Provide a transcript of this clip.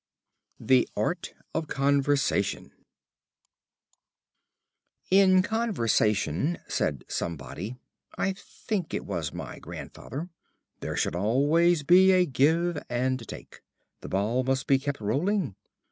IV. THE ART OF CONVERSATION "In conversation," said somebody (I think it was my grandfather), "there should always be a give and take. The ball must be kept rolling."